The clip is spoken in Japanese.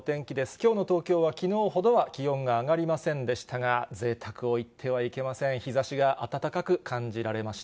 きょうの東京はきのうほどは気温が上がりませんでしたが、ぜいたくを言ってはいけません、日ざしが暖かく感じられました。